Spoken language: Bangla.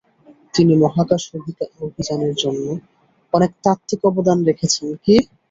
তিনি মহাকাশ অভিযানের জন্য অনেক তাত্ত্বিক অবদান রেখেছেন।